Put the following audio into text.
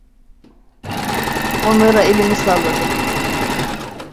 Onlara elimi salladım.